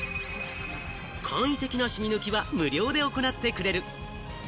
簡易的なシミ抜きは無料で行ってくれる。